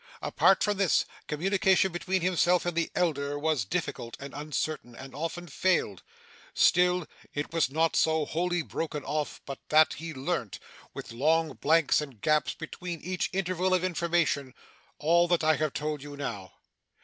Apart from this, communication between him and the elder was difficult, and uncertain, and often failed; still, it was not so wholly broken off but that he learnt with long blanks and gaps between each interval of information all that I have told you now.